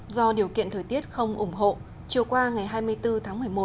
do điều kiện thời tiết không ủng hộ chiều qua ngày hai mươi bốn tháng một mươi một